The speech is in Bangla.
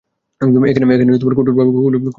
এখানে কঠোরভাবে কুকুর নিষিদ্ধ।